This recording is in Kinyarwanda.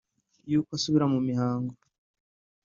y’uko asubira mu mihango